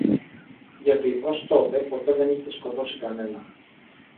Γιατί ως τότε, ποτέ δεν είχε σκοτώσει κανένα